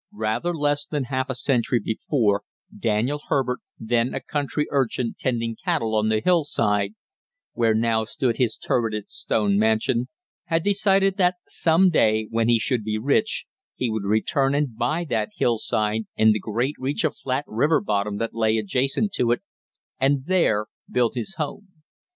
Rather less than half a century before, Daniel Herbert, then a country urchin tending cattle on the hillside where now stood his turreted stone mansion, had decided that some day when he should be rich he would return and buy that hillside and the great reach of flat river bottom that lay adjacent to it, and there build his home.